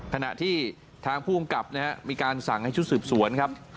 ขณะที่ทางผู้กำกับนะครับมีการสั่งให้ชุดสืบสวนครับ